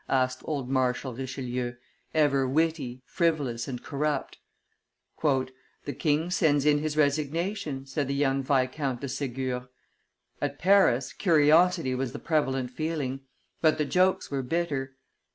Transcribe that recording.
asked old Marshal Richelieu, ever witty, frivolous, and corrupt. "The king sends in his resignation," said the young Viscount de Segur. At Paris curiosity was the prevalent feeling; but the jokes were bitter.